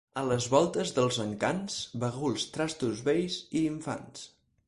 A les voltes dels Encants, baguls, trastos vells i infants.